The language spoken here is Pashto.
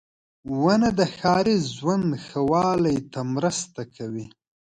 • ونه د ښاري ژوند ښه والي ته مرسته کوي.